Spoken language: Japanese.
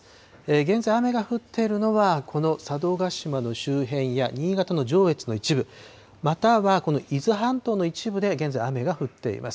現在、雨が降っているのはこの佐渡島の周辺や、新潟の上越の一部、または、伊豆半島の一部で現在、雨が降っています。